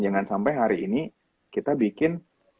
jangan sampai hari ini kita bikin